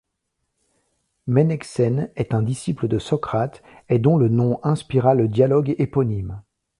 Ménexène est un disciple de Socrate et dont le nom inspira le dialogue éponyme.